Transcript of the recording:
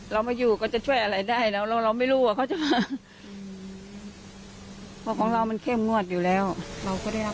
เกิดตกใจย่ายออกกันเต็มเลย